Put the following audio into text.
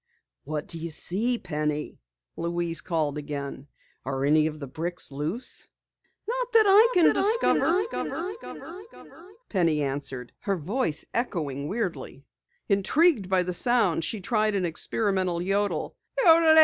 "What do you see, Penny?" Louise called again. "Are any of the bricks loose?" "Not that I can discover," Penny answered, and her voice echoed weirdly. Intrigued by the sound she tried an experimental yodel.